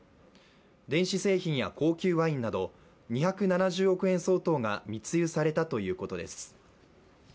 電子製品や高級ワインなど２７０億円相当が密輸されたということです。